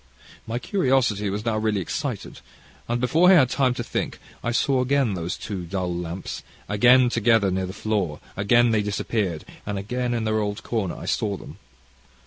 "My curiosity was now really excited, and, before I had time to think, I saw again these two dull lamps, again together near the floor; again they disappeared, and again in their old corner I saw them.